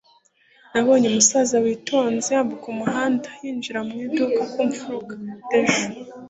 nabonye umusaza witonze yambuka umuhanda yinjira mu iduka ku mfuruka. (dejo